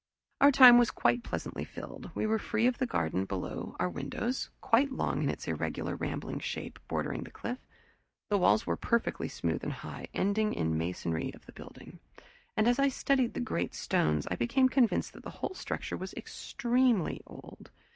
Our time was quite pleasantly filled. We were free of the garden below our windows, quite long in its irregular rambling shape, bordering the cliff. The walls were perfectly smooth and high, ending in the masonry of the building; and as I studied the great stones I became convinced that the whole structure was extremely old.